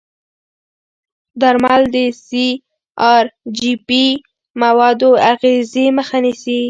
درمل د سی ار جي پي موادو اغېزې مخه نیسي.